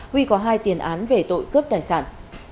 huy có hai tiền án về tội cướp tài sản